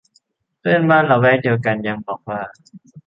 เพื่อนบ้านละแวกเดียวกันยังบอกว่า